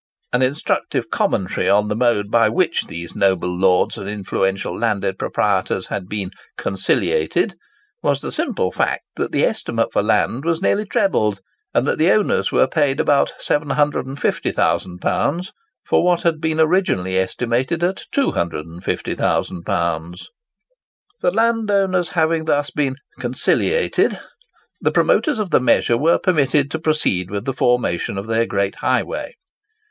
An instructive commentary on the mode by which these noble lords and influential landed proprietors had been "conciliated," was the simple fact that the estimate for land was nearly trebled, and that the owners were paid about £750,000 for what had been originally estimated at £250,000. The landowners having thus been "conciliated," the promoters of the measure were permitted to proceed with the formation of their great highway.